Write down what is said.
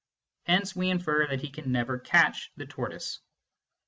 Hence we infer that he can never catch the tortoise.